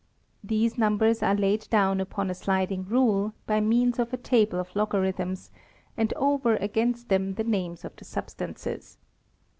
These numbers are laid down upon a sliding rule, by means of a table of logarithms, and over against them the oames of the subfitaaces.